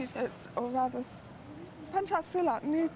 sejujurnya arti muslim tradisional sudah mati